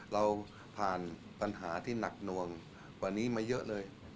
เราผ่านปัญหาที่หนักหน่วงกว่านี้มาเยอะเลย